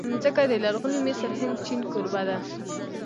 مځکه د لرغوني مصر، هند، چین کوربه ده.